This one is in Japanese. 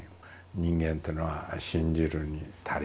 人間というのは信じるに足りると。